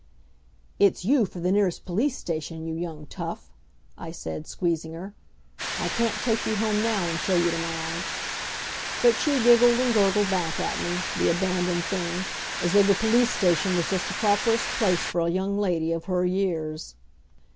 "It's you for the nearest police station, you young tough!" I said, squeezing her. "I can't take you home now and show you to Mag." But she giggled and gurgled back at me, the abandoned thing, as though the police station was just the properest place for a young lady of her years.